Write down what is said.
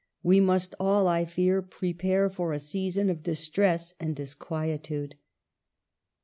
We must all, I fear, prepare for a season of distress and disquietude."